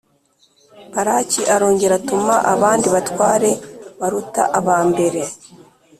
Balaki arongera atuma abandi batware baruta aba mbere